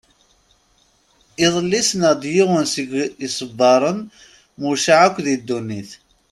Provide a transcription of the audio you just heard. Iḍelli ssneɣ-d yiwen seg isegbaren mucaεen akk di ddunit.